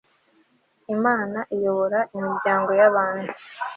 IMANA iyobora imiryango y abantu